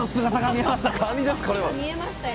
見えましたよ。